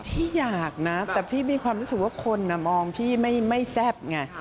พี่อยากนะแต่พี่มีความรู้สึกว่าคนมองพี่ไม่แซ่บไง